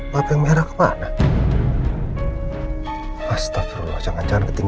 masih sempet masih sempet untuk kemana